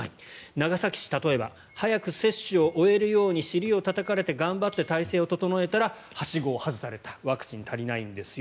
長崎市、例えば早く接種を終えるように尻をたたかれて頑張って体制を整えたらはしごを外されたワクチン足りないんですよ